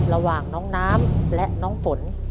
ระหว่างน้องน้ำและน้องฝน